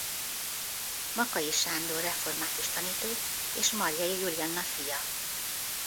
Makay Sándor református tanító és Marjai Julianna fia.